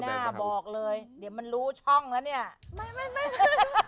ไม่น่าบอกเลยเดี๋ยวมันรู้ช่องละเนี่ย